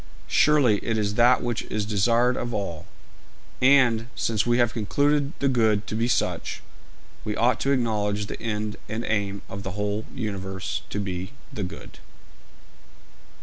Surely it is that which is desired of all; and, since we have concluded the good to be such, we ought to acknowledge the end and aim of the whole universe to be "the good."'